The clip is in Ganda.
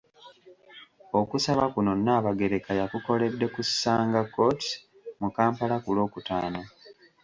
Okusaba kuno Nnaabagereka yakukoledde ku Sanga Courts mu Kampala ku Lwokutaano.